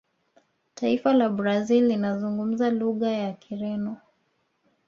taifa la brazil linazungumza lugha ya kireno